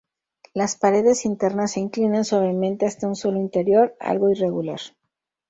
Las paredes internas se inclinan suavemente hasta un suelo interior algo irregular.